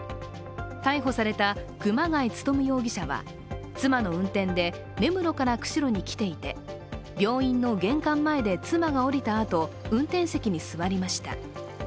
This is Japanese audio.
逮捕された熊谷勉容疑者は、妻の運転で根室から釧路に来ていて、病院の玄関前で妻が降りたあと運転席に座りました。